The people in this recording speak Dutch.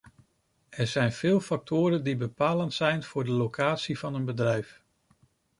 Er zijn veel factoren die bepalend zijn voor de locatie van een bedrijf.